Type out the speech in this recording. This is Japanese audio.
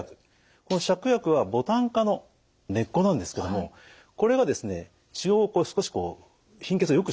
この芍薬はボタン科の根っこなんですけどもこれがですね血を少しこう貧血をよくしてくれる。